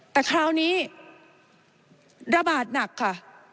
แต่คราวนี้ระบาดหนักค่ะ